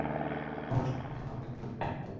আমরা সব ধরণের নারকেল ভেঙে ফেলতে পারি।